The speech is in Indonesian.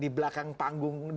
di belakang panggung depannya